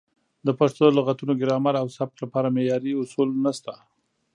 د پښتو د لغتونو، ګرامر او سبک لپاره معیاري اصول نشته.